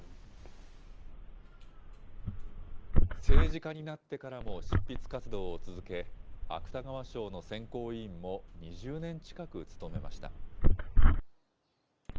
政治家になってからも執筆活動を続け、芥川賞の選考委員も、２０年近く務めました。